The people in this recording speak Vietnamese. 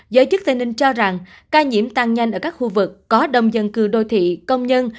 giới chức tây ninh cho rằng ca nhiễm tăng nhanh ở các khu vực có đông dân cư đô thị công nhân